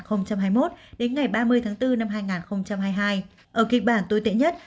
ở kịch bản tồi tệ nhất